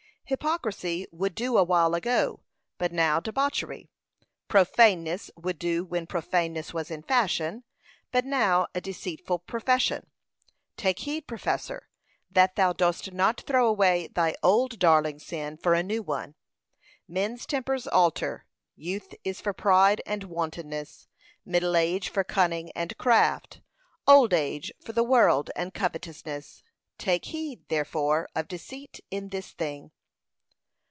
Hypocrisy would do awhile ago, but now debauchery. Profaneness would do when profaneness was in fashion, but now a deceitful profession. Take heed, professor, that thou dost not throw away thy old darling sin for a new one. Men's tempers alter. Youth is for pride and wantonness; middle age for cunning and craft; old age for the world and covetousness. Take heed, therefore, of deceit in this thing.